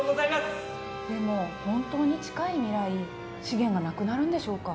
でも本当に近い未来資源が無くなるんでしょうか？